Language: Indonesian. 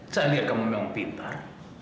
saya lihat kamu memang pintar